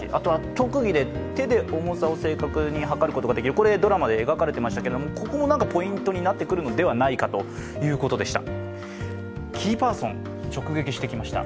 特技は手で重さを正確に量ることができる、これはドラマで描かれましたけど、ここもポイントになってくるのではないかということでした。